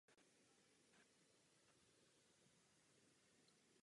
Byl veřejností přijat jako spasitel.